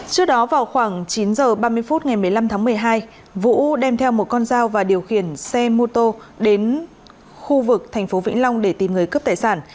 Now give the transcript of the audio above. trước đó vào khoảng chín h ba mươi phút ngày một mươi năm tháng một mươi hai vũ đem theo một con dao và điều khiển xe mô tô đến khu vực thành phố vĩnh long để tìm người cướp tài sản